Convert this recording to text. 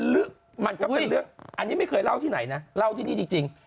มันก็เป็นเรื่องอันนี้ไม่เคยเล่าที่ไหนนะเล่าที่นี่จริง